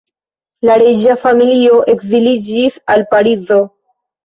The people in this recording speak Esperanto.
La reĝa familio ekziliĝis al Parizo.